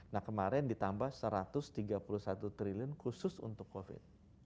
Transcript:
nah kemarin ditambah satu ratus tiga puluh satu triliun khusus untuk covid